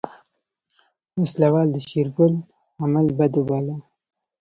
وسله وال د شېرګل عمل بد وباله.